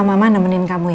kalau inserted aja